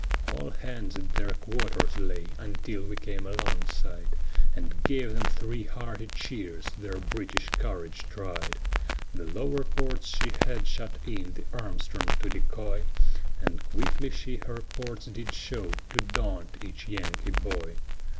All hands at their quarters lay, until we came alongside, And gave them three hearty cheers, their British courage tried. The lower ports she had shut in, the Armstrong to decoy, And quickly she her ports did show, to daunt each Yankee boy.